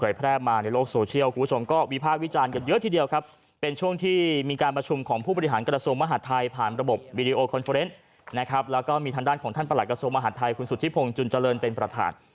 แล้วก็มีทางด้านของท่านประหลักกสมมหาธรรมไทยคุณสุธิพงศ์จุลเจริญเป็นประธาน